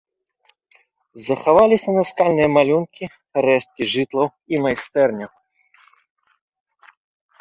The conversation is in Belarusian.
Захаваліся наскальныя малюнкі, рэшткі жытлаў і майстэрняў.